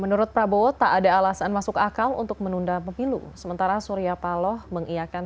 menurut prabowo tak ada alasan masuk akal untuk menunda pemilu sementara surya paloh mengiakan